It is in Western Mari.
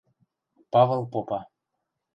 Павыл попа: